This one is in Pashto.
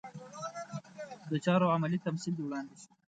د چارو عملي تمثیل دې وړاندې شي.